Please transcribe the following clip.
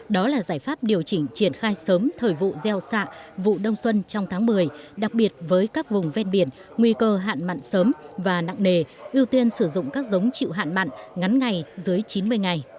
đó là giải pháp điều chỉnh triển khai sớm thời vụ gieo xạ vụ đông xuân trong tháng một mươi đặc biệt với các vùng ven biển nguy cơ hạn mặn sớm và nặng nề ưu tiên sử dụng các giống chịu hạn mặn ngắn ngày dưới chín mươi ngày